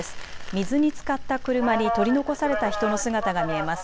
水につかった車に取り残された人の姿が見えます。